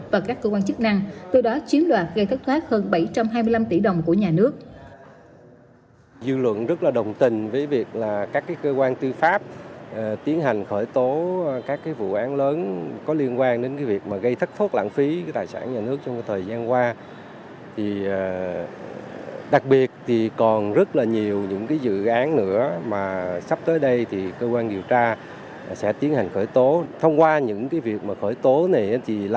và các cơ quan chức năng từ đó chiếm đoạt gây thất thoát hơn bảy trăm hai mươi năm tỷ đồng của nhà nước